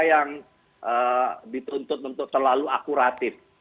yang dituntut untuk terlalu akuratif